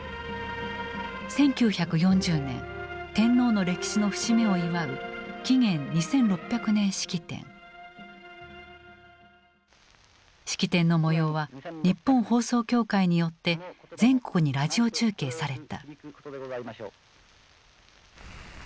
１９４０年天皇の歴史の節目を祝う式典の模様は日本放送協会によって全国にラジオ中継された。